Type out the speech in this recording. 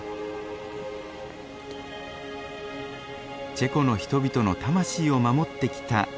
チェコの人々の魂を守ってきたチェスキーラーイ。